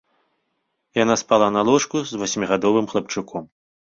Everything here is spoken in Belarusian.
Яна спала на ложку з васьмігадовым хлапчуком.